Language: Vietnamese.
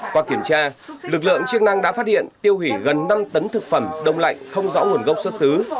qua kiểm tra lực lượng chức năng đã phát hiện tiêu hủy gần năm tấn thực phẩm đông lạnh không rõ nguồn gốc xuất xứ